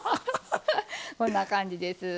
こんな感じです。